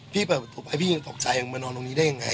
พี่เปิดประตูไปพี่ยังตกใจยังมานอนตรงนี้ได้ยังไง